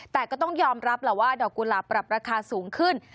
แต่ก็ต้องยอมรับแหละว่าดอกกุหลาบปรับราคาสูงขึ้น